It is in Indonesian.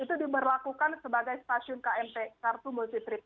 itu diberlakukan sebagai stasiun kmp kartu multi trip